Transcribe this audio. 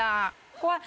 怖い！